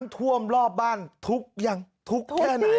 น้ำท่วมรอบบ้านทุกอย่างทุกแค่ไหน